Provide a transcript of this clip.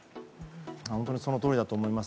本当にそのとおりだと思います。